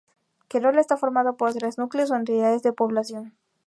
Querol está formado por tres núcleos o entidades de población.